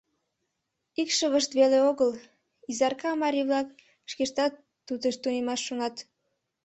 Икшывышт веле огыл, Изарка марий-влак шкештат тутыш тунемаш шонат.